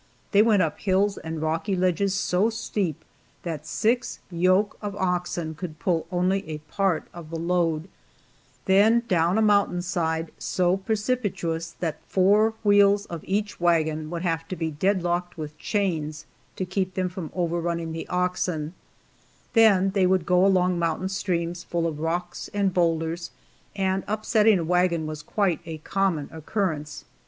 They went up hills and rocky ledges so steep that six yoke of oxen could pull only a part of a load; then down a mountain side so precipitous that the four wheels of each wagon would have to be dead locked with chains to keep them from overrunning the oxen; then they would go along mountain streams full of rocks and bowlders, and upsetting a wagon was quite a common occurrence.